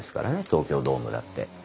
東京ドームだって。